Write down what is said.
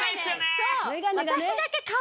そう。